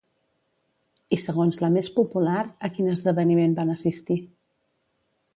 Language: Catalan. I segons la més popular, a quin esdeveniment van assistir?